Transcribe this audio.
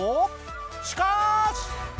しかーし！